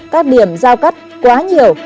các điểm giao cắt quá nhiều